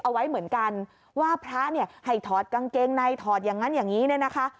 เอาไว้เหมือนกันว่าพระเนี่ยให้ถอดกางเกงในถอดอย่างนั้นอย่างนี้เนี่ยนะคะ